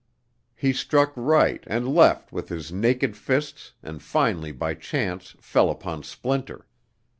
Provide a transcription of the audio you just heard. He struck right and left with his naked fists and finally by chance fell upon Splinter.